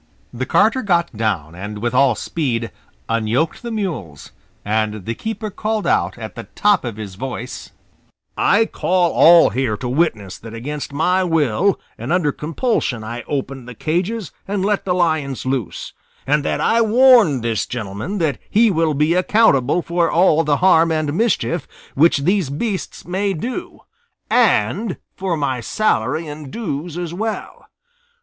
The carter got down and with all speed unyoked the mules, and the keeper called out at the top of his voice, "I call all here to witness that against my will and under compulsion I open the cages and let the lions loose, and that I warn this gentleman that he will be accountable for all the harm and mischief which these beasts may do, and for my salary and dues as well.